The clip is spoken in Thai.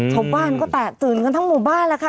ชาวบ้านก็แตกตื่นกันทั้งหมู่บ้านแล้วค่ะ